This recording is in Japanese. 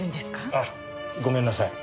あごめんなさい。